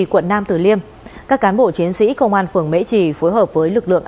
quận nam tử liêm các cán bộ chiến sĩ công an phường mễ trì phối hợp với lực lượng